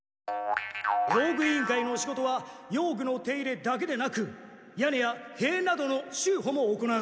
用具委員会の仕事は用具の手入れだけでなく屋根やへいなどの修補も行う。